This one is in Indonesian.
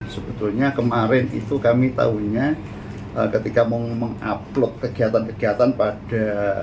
sebetulnya kemarin itu kami tahunya ketika mau mengupload kegiatan kegiatan pada